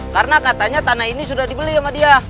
karena katanya tanah ini sudah dibeli sama dia